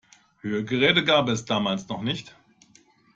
Hörgeräte gab es damals noch nicht.